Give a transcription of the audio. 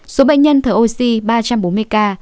số bệnh nhân thở oxy ba trăm bốn mươi ca